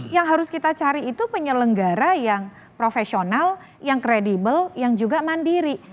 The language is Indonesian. yang harus kita cari itu penyelenggara yang profesional yang kredibel yang juga mandiri